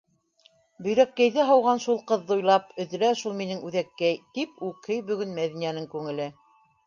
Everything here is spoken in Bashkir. «Бөйрәкәйҙе һауған шул ҡыҙҙы уйлап, өҙөлә шул минең үҙәккәй», - тип үкһей бөгөн Мәҙинәнең күңеле.